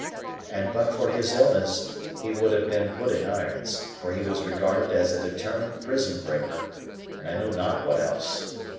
And but for his illness he would have been put in irons, for he was regarded as a determined prison breaker, and I know not what else.